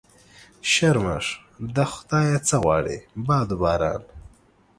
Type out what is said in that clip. شرمښ د خدا يه څه غواړي ؟ باد و باران.